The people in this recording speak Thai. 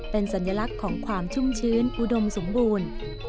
เป็นสัญลักษณ์ของความชุ่มชื้นอุดมสมบูรณ์